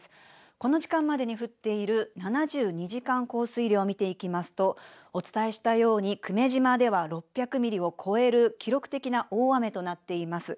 この時間までに降っている７２時間降水量を見ていきますとお伝えしたように久米島では６００ミリを超える記録的な大雨となっています。